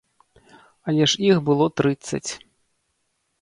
Але ж іх было трыццаць.